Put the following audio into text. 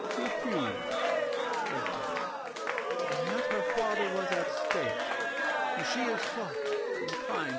Refused. REDFEATHER. And yet her father was at stake, And she is soft and kind.